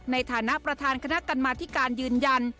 ในฐานะประธานคณะกรรมาธิการยืนยัน